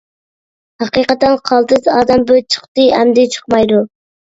ھەقىقەتەن قالتىس ئادەم. بىر چىقتى ئەمدى چىقمايدۇ.